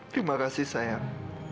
terima kasih sayang